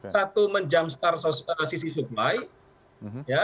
satu menjamstar sisi supply